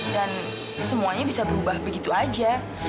dan semuanya bisa berubah begitu aja